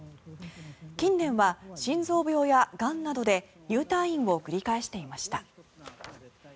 近年は心臓病やがんなどで入退院を繰り返していました。